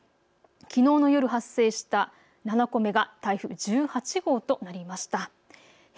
きのうの夜、発生した７個目が台風１８号となりました。